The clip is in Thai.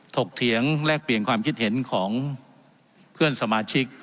ถียงแลกเปลี่ยนความคิดเห็นของเพื่อนสมาชิก